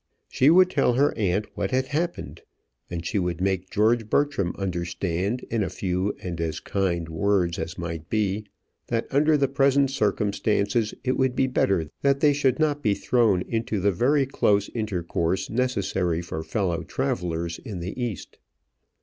She would tell her aunt what had happened; and she would make George Bertram understand in a few and as kind words as might be, that under the present circumstances it would be better that they should not be thrown into the very close intercourse necessary for fellow travellers in the East.